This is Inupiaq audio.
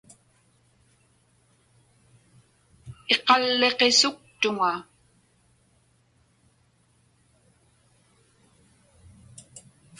Iqalliqisuktuŋa.